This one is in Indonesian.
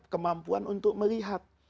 kemampuan untuk melihat